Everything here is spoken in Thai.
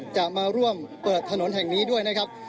จะมาร่วมเปิดถนนแห่งนี้ด้วยนะครับ